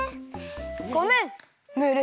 ごめんムール！